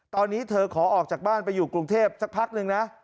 ตอนนี้เธอขอออกจากบ้านไปอยู่กรุงเทพสักพักนึงนะ